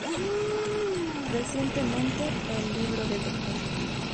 Recientemente el libro del Dr.